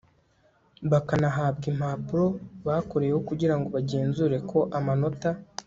bakanahabwa impapuro bakoreyeho kugira ngo bagenzure ko amanota